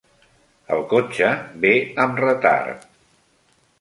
El cotxe ve amb retard.